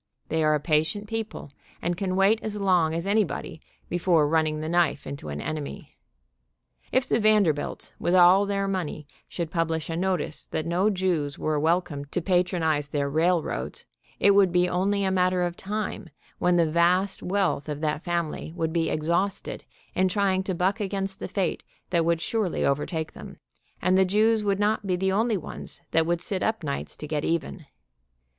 They are a patient people, and can wait as long as any body before running the knife into an enemy. If the Vanderbilts, with all their money, should publish a notice that no Jews were welcome to patronize their railroads, it would be only a matter of time when the vast wealth of that family would be exhausted in try ing to buck against the fate that would surely over take them, and the Jews would not be the only ones that would sit up nights to get even.